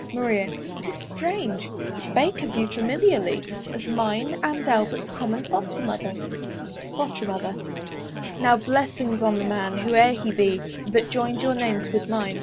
MARIA. 'Tis strange! he spake of you familiarly As mine and Albert's common Foster mother. FOSTER MOTHER. Now blessings on the man, whoe'er he be, That joined your names with mine!